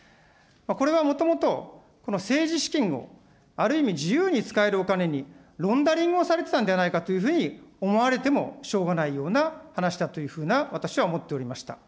これはもともと政治資金を、ある意味自由に使えるお金にロンダリングをされてたんじゃないかというふうに思われてもしょうがないような話だというふうな、私は思っておりました。